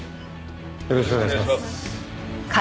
よろしくお願いします。